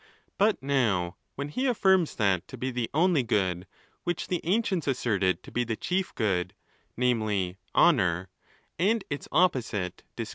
But now, when he — affirms that to be the only good which the ancients asserted to be the chief good, namely honour, and its opposite dis ON THE LAWS.